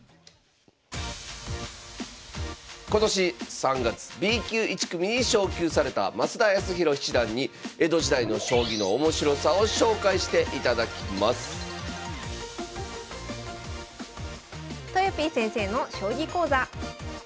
今年３月Ｂ級１組に昇級された増田康宏七段に江戸時代の将棋の面白さを紹介していただきますとよぴー先生の将棋講座。